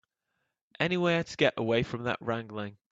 Anywhere to get away from that wrangling.